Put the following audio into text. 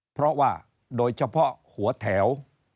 เพราะว่าโดยเฉพาะหัวแถว